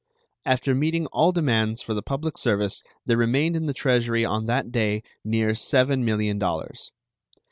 After meeting all demands for the public service there remained in the Treasury on that day near $7 millions.